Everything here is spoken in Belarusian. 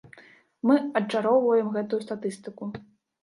Мы адчароўваем гэтую статыстыку.